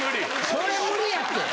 それ無理やって！